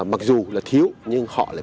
mặc dù các địa phương đều đang rất là khó sở